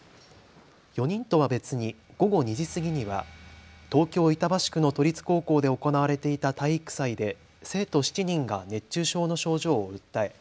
４人とは別に午後２時過ぎには東京板橋区の都立高校で行われていた体育祭で生徒７人が熱中症の症状を訴え